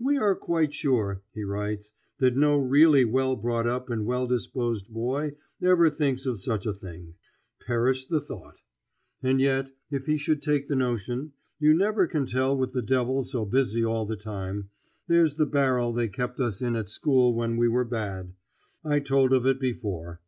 "We are quite sure," he writes, "that no really well brought up and well disposed boy ever thinks of such a thing." Perish the thought! And yet, if he should take the notion, you never can tell with the devil so busy all the time, there's the barrel they kept us in at school when we were bad; I told of it before.